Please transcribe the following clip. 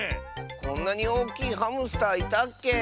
こんなにおおきいハムスターいたっけ？